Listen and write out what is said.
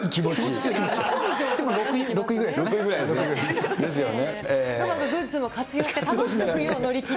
でも６位ぐらいですよね。